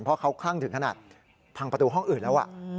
เพราะเขาคลั่งถึงขนาดพังประตูห้องอื่นแล้ว